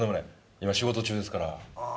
今仕事中ですから。